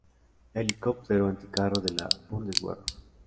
Helicóptero anticarro de la Bundeswehr.